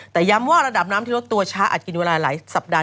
แต่ย้ำว่าระดับน้ำที่ลดตัวช้าอาจกินเวลาหลายสัปดาห